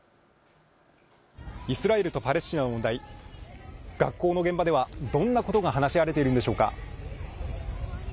イスラエルとパレスチナの問題、学校の現場ではどんなことが話し合われているんでしょうか。